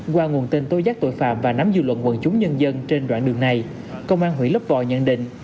qua nguồn tin tối giác tội phạm và nắm dư luận quần chúng nhân dân trên đoạn đường này công an huyện lấp vòi nhận định